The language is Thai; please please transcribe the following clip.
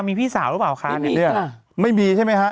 มีพี่สาวหรือเปล่าคะเนี่ยไม่มีใช่ไหมฮะ